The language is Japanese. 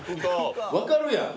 わかるやん！